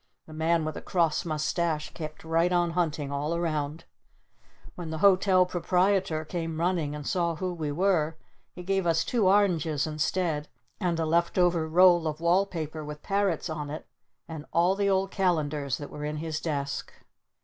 The Man with the Cross Mustache kept right on hunting all around. When the Hotel Proprietor came running and saw who we were he gave us two oranges instead, and a left over roll of wall paper with parrots on it, and all the old calendars that were in his desk.